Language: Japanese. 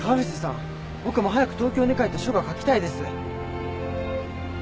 僕も早く東京に帰って書が書きたいです。